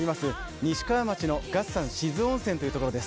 西川町の月山志津温泉という所です。